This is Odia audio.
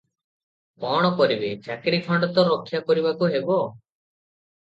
କଣ କରିବେ, ଚାକିରି ଖଣ୍ଡ ତ ରକ୍ଷା କରିବାକୁ ହେବ ।